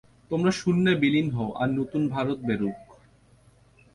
তোমরা শূন্যে বিলীন হও, আর নূতন ভারত বেরুক।